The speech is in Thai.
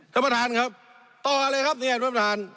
ท่านประธานครับต่ออะไรครับเนี่ยท่านประธาน